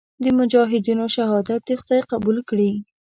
د مجاهدینو شهادت دې خدای قبول کړي.